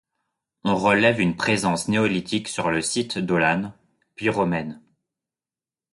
On relève une présence néolithique sur le site d'Aulan puis romaine.